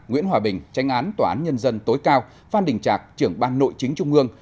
nguyễn hòa bình tranh án tòa án nhân dân tối cao phan đình trạc trưởng ban nội chính trung ương